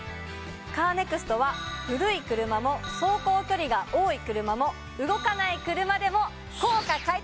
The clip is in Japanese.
カーネクストは古い車も走行距離が多い車も動かない車でも。